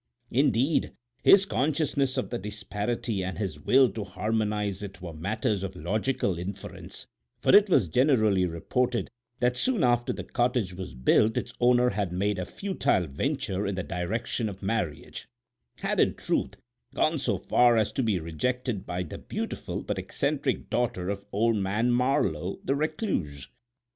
Indeed, his consciousness of the disparity and his will to harmonize it were matters of logical inference, for it was generally reported that soon after the cottage was built its owner had made a futile venture in the direction of marriage—had, in truth, gone so far as to be rejected by the beautiful but eccentric daughter of Old Man Marlowe, the recluse.